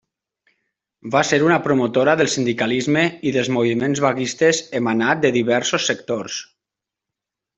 Va ser una promotora del sindicalisme i dels moviments vaguistes emanat de diversos sectors.